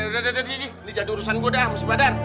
udah udah ini jadi urusan gua dah bersih badan